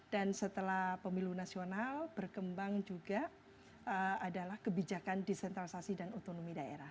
dan setelah pemilu nasional berkembang juga adalah kebijakan desentralisasi dan otonomi daerah